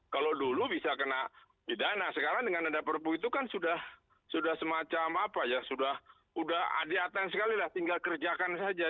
kalau dulu bisa kena pidana sekarang dengan ada perpu itu kan sudah semacam apa ya sudah diatan sekali lah tinggal kerjakan saja